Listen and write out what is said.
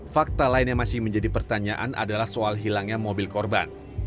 fakta lain yang masih menjadi pertanyaan adalah soal hilangnya mobil korban